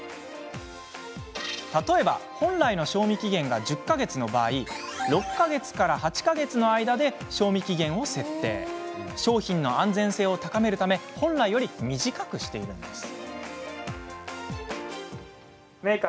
例えば、本来の賞味期限が１０か月の場合は６か月から８か月の間で賞味期限を設定商品の安全性を高めるため本来より短くしているんです。